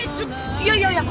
いやいやいや。